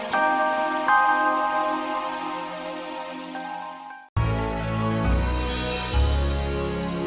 terima kasih bu